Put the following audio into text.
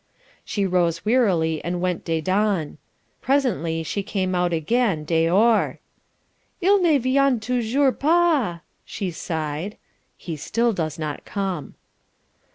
She rose wearily and went dedans. Presently she came out again, dehors. "Il ne vient toujours pas," she sighed (he still does not come).